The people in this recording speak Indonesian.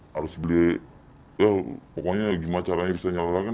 harus beli ya pokoknya gimana caranya bisa dinyalakan